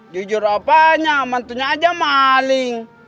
jujur apa aja mantunya aja maling